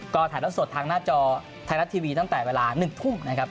ก็ถ่ายแล้วสดทางหน้าจอไทยรัฐทีวีตั้งแต่เวลา๑ทุ่มนะครับ